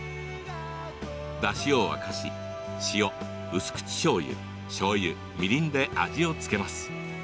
だしを沸かし塩、薄口しょうゆしょうゆ、みりんで味を付けます。